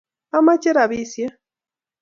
Amache rapisiek